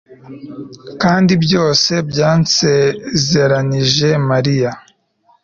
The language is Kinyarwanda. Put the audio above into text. Kandi byose byansezeranije Mariya